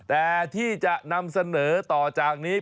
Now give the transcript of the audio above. แต่ที่จะนำเสนอต่อจากนี้